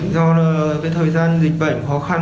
do thời gian dịch bệnh khó khăn